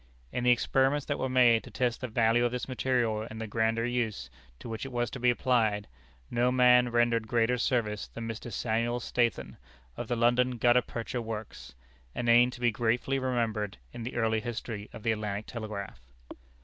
In the experiments that were made to test the value of this material in the grander use to which it was to be applied, no man rendered greater service than Mr. Samuel Statham, of the London Gutta Percha Works a name to be gratefully remembered in the early history of the Atlantic Telegraph.